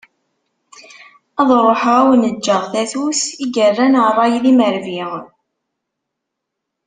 Ad ruḥeγ ad awen-ğğeγ tatut i yerran ṛṛay d imerbi.